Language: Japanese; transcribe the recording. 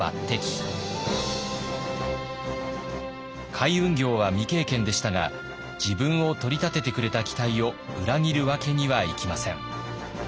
海運業は未経験でしたが自分を取り立ててくれた期待を裏切るわけにはいきません。